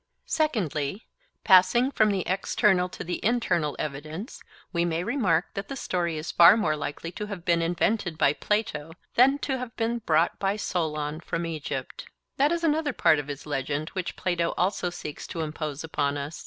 Secondly, passing from the external to the internal evidence, we may remark that the story is far more likely to have been invented by Plato than to have been brought by Solon from Egypt. That is another part of his legend which Plato also seeks to impose upon us.